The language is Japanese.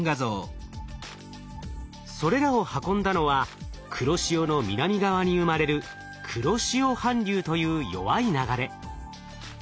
それらを運んだのは黒潮の南側に生まれる黒潮反流という弱い流れ。